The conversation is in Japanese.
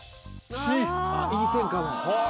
いい線かも。